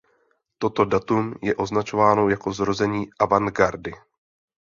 Toto datum je označováno jako zrození avantgardy.